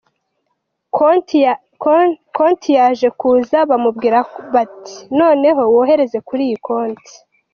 Konti yaje kuza, bamubwira bati ‘noneho wohereze kuri iyi konti’.